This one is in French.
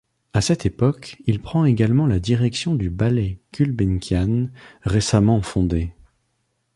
À cette époque il prend également la direction du Ballet Gulbenkian récemment fondé.